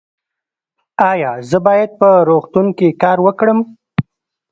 ایا زه باید په روغتون کې کار وکړم؟